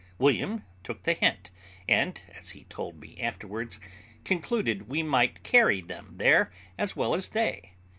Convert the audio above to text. William took the hint, and, as he told me afterwards, concluded we might carry them there as well as they.